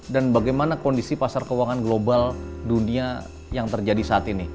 dan bagaimana kondisi pasar keuangan global dunia yang terjadi saat ini